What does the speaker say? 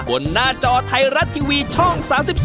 หน้าจอไทยรัฐทีวีช่อง๓๒